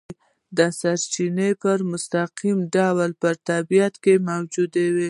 دا سرچینې په مستقیم ډول په طبیعت کې موجودې وي.